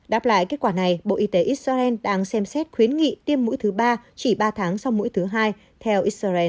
đáp lại kết quả này bộ y tế israel đang xem xét khuyến nghị tiêm mũi thứ ba chỉ ba tháng sau mũi thứ hai theo israel